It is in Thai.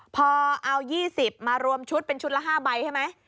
พอเอา๒๐มารวมชุดเป็นชุดละ๕ใบใช่ไหม